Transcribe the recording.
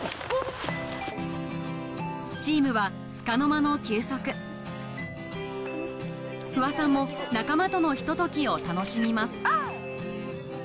・チームはつかの間の休息不破さんも仲間とのひとときを楽しみます